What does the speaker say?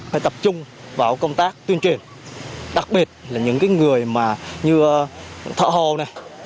phải tập trung vào công tác tuyên truyền đặc biệt là những người mà như thợ hồ này